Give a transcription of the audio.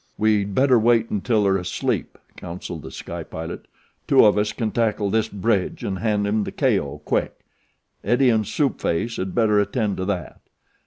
"We'd better wait until they're asleep," counseled The Sky Pilot. "Two of us can tackle this Bridge and hand him the k.o. quick. Eddie and Soup Face had better attend to that.